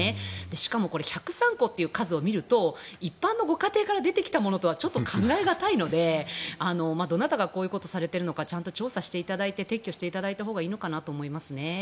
しかも１０３個という数を見ると一般のご家庭から出てきたものとはちょっと考え難いのでどなたがこういうことをされてるのかちゃんと調査していただいて撤去していただいたほうがいいのかなと思います。